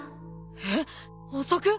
えっ！？遅く？